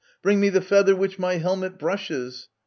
Bring me the feather which my helmet brushes